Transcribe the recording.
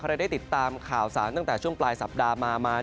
ได้ติดตามข่าวสารตั้งแต่ช่วงปลายสัปดาห์มามา